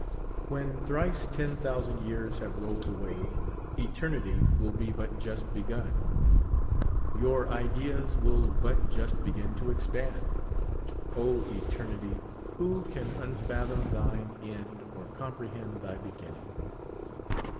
When thrice ten thousand years have rolled away, eternity will be but just begun. Your ideas will but just begin to expand. (). eternity, who can unfathom thine end or comprehend thy ])eginning